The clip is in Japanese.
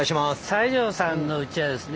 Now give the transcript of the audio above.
西城さんのうちはですね